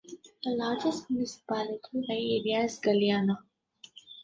The largest municipality by area is Galeana.